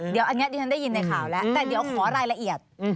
เดี๋ยวอันนี้ดิฉันได้ยินในข่าวแล้วแต่เดี๋ยวขอรายละเอียด